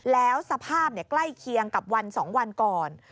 แล้วสภาพใกล้เคียงกับวัน๒วันก่อน